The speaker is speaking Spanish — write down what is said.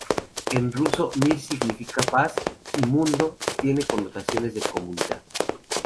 En Ruso, Mir significa "paz" y "mundo", y tiene connotaciones de "comunidad".